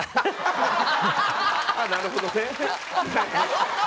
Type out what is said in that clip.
なるほどね。